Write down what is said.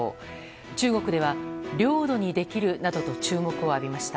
中国では、領土にできるなどと注目を浴びました。